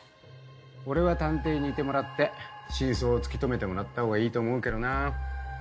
俺は探偵にいてもらって真相を突き止めてもらったほうがいいと思うけどなぁ。